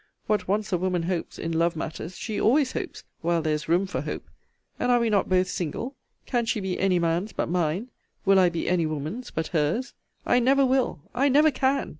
What once a woman hopes, in love matters, she always hopes, while there is room for hope: And are we not both single? Can she be any man's but mine? Will I be any woman's but her's? I never will! I never can!